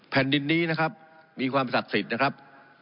แผ่นดินนี้นะครับมีความศักดิ์สิทธิ์นะครับ